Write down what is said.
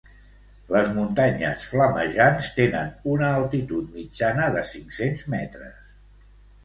Les muntanyes Flamejants tenen una altitud mitjana de cinc-cents metres.